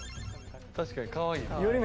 確かにかわいいな。